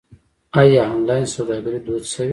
آیا آنلاین سوداګري دود شوې؟